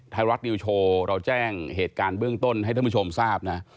ไทยรัฐนิวโชว์เราแจ้งเหตุการณ์เบื้องต้นให้ท่านผู้ชมทราบนะ